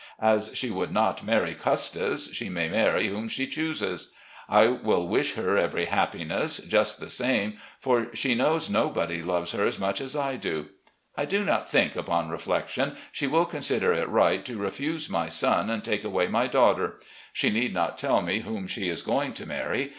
As she would not marry Custis, she may marry whom she chooses. I shall wish her every happiness, just the same, for she knows nobody loves her as much as I do. I do not think, upon reflec tion, she will consider it right to refuse my son and take away my daughter. She need not tell me whom she is going to marry.